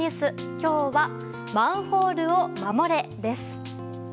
今日はマンホールを守れです。